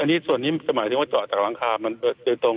อันนี้ส่วนนี้จะหมายถึงว่าเจาะจากหลังคามันโดยตรง